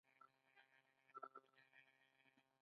دوی د لمریزې انرژۍ ملاتړ کوي.